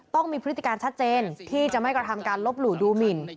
ต้องมีพฤติการชัดเจนที่จะไม่กระทำการลบหลู่ดูหมิน